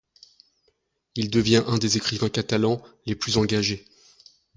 Il devient un des écrivains catalans les plus engagés.